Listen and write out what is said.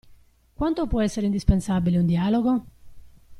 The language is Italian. Quanto può essere indispensabile un dialogo?